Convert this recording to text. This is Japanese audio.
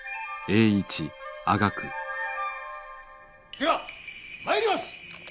ではまいります。